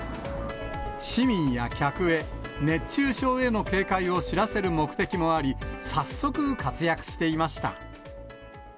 市民や客へ、熱中症への警戒を知らせる目的もあり、早速活躍していました。